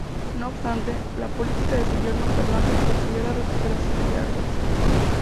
No obstante, la política de su yerno Fernando perseguía la recuperación de Artois.